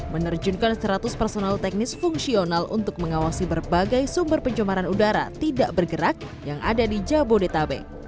menerjunkan seratus personal teknis fungsional untuk mengawasi berbagai sumber pencemaran udara tidak bergerak yang ada di jabodetabek